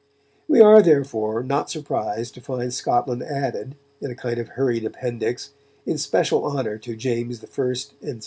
We are, therefore, not surprised to find Scotland added, in a kind of hurried appendix, in special honour to James I and VI.